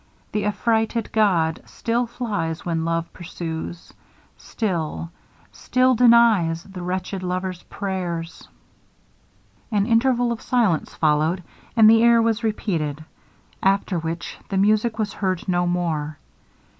Th' affrighted god still flies when Love pursues, Still still denies the wretched lover's prayers. An interval of silence followed, and the air was repeated; after which the music was heard no more.